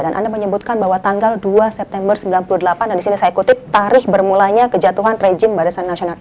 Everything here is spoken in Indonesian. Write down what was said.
dan anda menyebutkan bahwa tanggal dua september sembilan puluh delapan dan disini saya kutip tarikh bermulanya kejatuhan rejim barisan nasional